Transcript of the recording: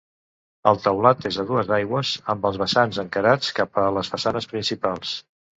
El teulat és a dues aigües, amb els vessants encarats cap a les façanes principals.